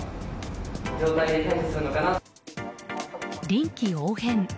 臨機応変。